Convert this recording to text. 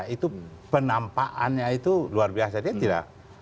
itu penampaannya itu luar biasa dia tidak